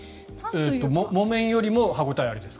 木綿よりも歯応えありですか？